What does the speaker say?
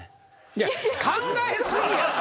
いや考え過ぎやって！